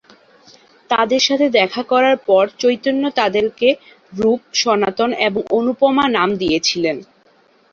তাদের সাথে দেখা করার পরে, চৈতন্য তাদেরকে রূপ, সনাতন এবং অনুপমা নাম দিয়েছিলেন।